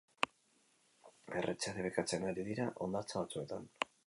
Erretzea debekatzen ari dira hondartza batzuetan.